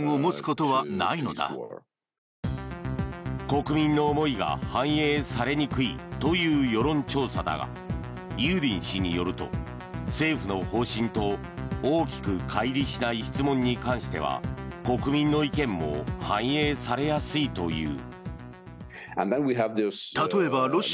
国民の思いが反映されにくいという世論調査だがユーディン氏によると政府の方針と大きく乖離しない質問に関しては国民の意見も反映されやすいという。